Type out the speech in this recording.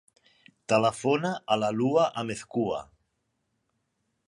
Telefona a la Lua Amezcua.